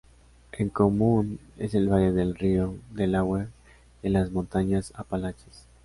Es común en el valle del Río Delaware y en las Montañas Apalaches.